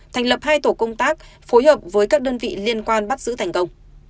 thành lập hai tổ công tác phối hợp với các đơn vị liên quan bắt giữ thành công